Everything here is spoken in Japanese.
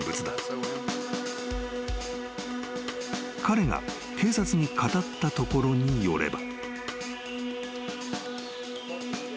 ［彼が警察に語ったところによれば］